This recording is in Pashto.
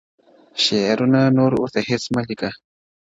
شعرونه نور ورته هيڅ مه ليكه ـ